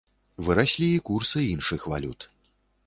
Выраслі і курсы іншых валют.